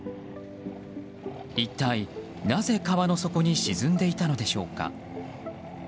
一体なぜ川の底に沈んでいたのでしょうか。